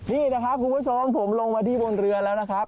นี่นะครับคุณผู้ชมผมลงมาที่บนเรือแล้วนะครับ